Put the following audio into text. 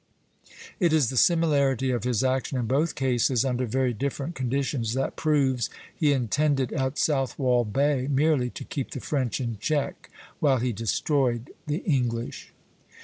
It is the similarity of his action in both cases, under very different conditions, that proves he intended at Southwold Bay merely to keep the French in check while he destroyed the English.